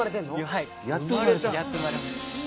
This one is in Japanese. はい。